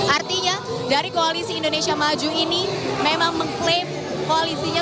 artinya dari koalisi indonesia maju ini memang mengklaim koalisinya